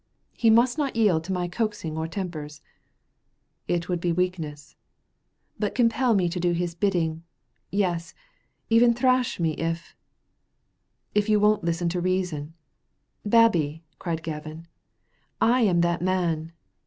"He must not yield to my coaxing or tempers." "It would be weakness." "But compel me to do his bidding; yes, even thrash me if " "If you won't listen to reason. Babbie," cried Gavin, "I am that man!"